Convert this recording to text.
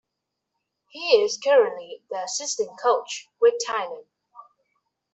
He is currently the assistant coach with Thailand.